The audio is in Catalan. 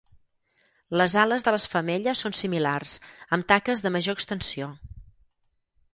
Les ales de les femelles són similars, amb taques de major extensió.